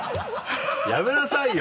やめなさいよ。